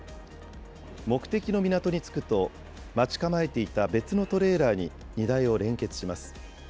目的の港に着くと、待ち構えていた別のトレーラーに荷台を連結します。